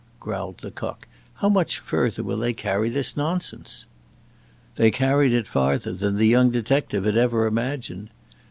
growled Lecoq, "how much further will they carry this nonsense?" They carried it farther than the young detective had ever imagined.